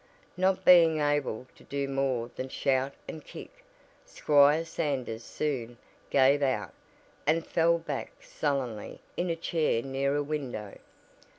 Not being able to do more than shout and kick, Squire Sanders soon "gave out" and fell back sullenly in a chair near a window.